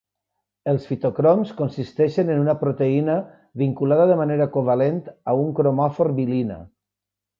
Els fitocroms consisteixen en una proteïna, vinculada de manera covalent a un cromòfor bilina.